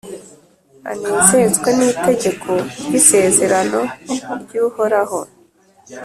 anezezwe n’Itegeko ry’Isezerano ry’Uhoraho.